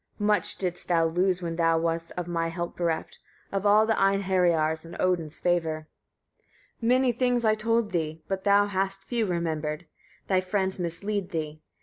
Much didst thou lose, when thou wast of my help bereft, of all the Einheriar's and Odin's favour. 52. Many things I told thee, but thou hast few remembered: thy friends mislead thee.